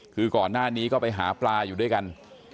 คือก่อนหน้านี้ก็ไปหาปลาอยู่ด้วยกัน